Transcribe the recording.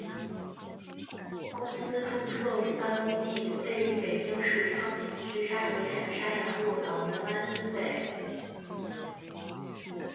公司注册与办公地位于北京市昌平区沙河镇沙阳路老牛湾村北。